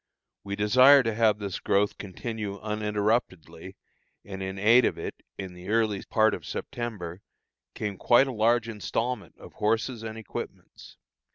We desire to have this growth continue uninterruptedly, and in aid of it, in the early part of September, came quite a large installment of horses and equipments.